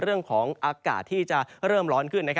เรื่องของอากาศที่จะเริ่มร้อนขึ้น